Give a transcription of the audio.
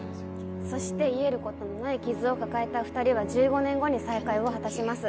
そして癒えることのない傷を抱えた２人は１５年後に再会を果たします。